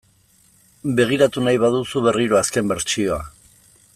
Begiratu nahi baduzu berriro azken bertsioa .